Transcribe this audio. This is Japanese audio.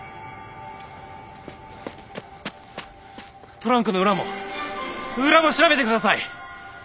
トランクの裏も裏も調べてください！